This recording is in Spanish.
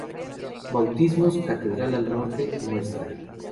Bautismos, Catedral al Norte, Ntra.